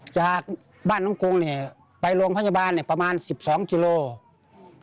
จากบ้านตรงกรุงไปโรงพยาบาลประมาณ๑๒กิโลกรัม